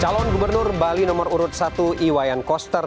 calon gubernur bali nomor urut satu iwayan koster